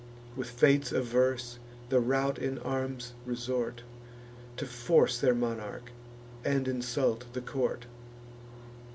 With fates averse, the rout in arms resort, To force their monarch, and insult the court.